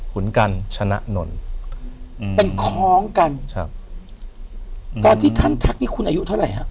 คุณกันชนะนนท์อืมเป็นคล้องกันครับตอนที่ท่านทักนี่คุณอายุเท่าไหร่ฮะ